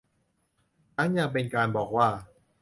ทั้งยังเป็นการบอกว่า